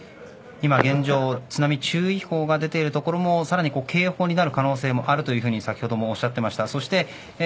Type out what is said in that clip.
現状、津波注意報が出ている所もさらに警報になる可能性もあると先ほどもおっしゃっていました。